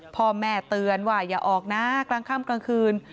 พ่อแม่เตือนว่าอย่าออกนะกลางค่ำกลางคืน